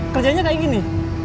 kerjanya kayak gini